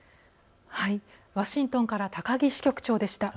ワシントンから高木支局長でした。